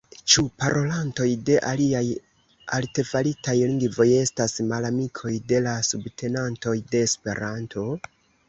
Ĉu parolantoj de aliaj artefaritaj lingvoj estas malamikoj de la subtenantoj de Esperanto?